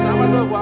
ubuk di jabat